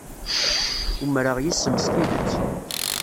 Umreɣ yes-m s tidet.